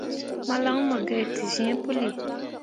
Malan mu gai te zĩĩ puli.